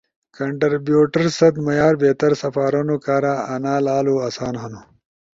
کنٹربیوٹر ست معیار بہتر سپارونو کارا، انا لالو آسان ہنو۔